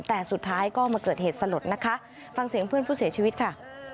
แต่สุดท้ายก็มาเกิดเหตุสลดนะคะฟังเสียงเพื่อนผู้เสียชีวิตค่ะ